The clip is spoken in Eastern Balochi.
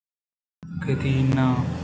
کدی ناں